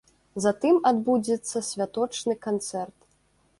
Затым адбудзецца святочны канцэрт.